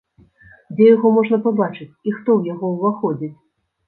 Дзе яго можна пабачыць і хто ў яго ўваходзіць?